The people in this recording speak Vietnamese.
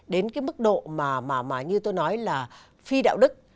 đến cái mức độ mà như tôi nói là phi đạo đức